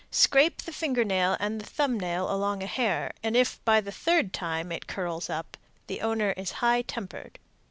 Scrape the finger nail and the thumb nail along a hair, and if, by the third time, it curls up, the owner is high tempered.